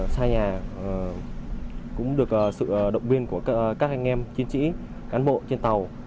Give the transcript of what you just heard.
xa nhà cũng được sự động viên của các anh em chiến sĩ cán bộ trên tàu